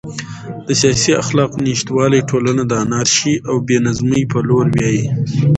د سیاسي اخلاقو نشتوالی ټولنه د انارشي او بې نظمۍ په لور بیايي.